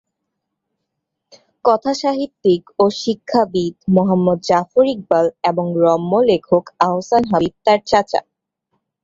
কথাসাহিত্যিক ও শিক্ষাবিদ মুহম্মদ জাফর ইকবাল এবং রম্য লেখক আহসান হাবীব তার চাচা।